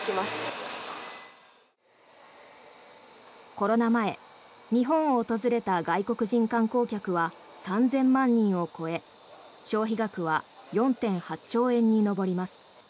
コロナ前日本を訪れた外国人観光客は３０００万人を超え消費額４．８兆円に上ります。